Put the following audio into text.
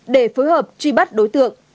để phối hợp truy bắt đối tượng